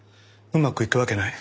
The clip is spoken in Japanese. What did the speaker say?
うまくいくわけない。